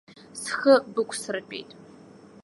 Схы бықәсыртәеит.